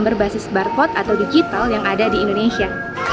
berbasis barcode atau digital yang ada di indonesia